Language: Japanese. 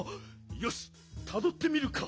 よしたどってみるか。